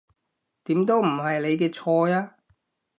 點都唔係你嘅錯呀